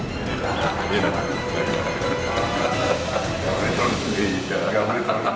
gak boleh terlalu sedih